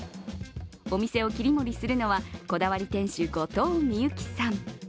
お店を切り盛りするのはこだわり店主、後藤みゆきさん。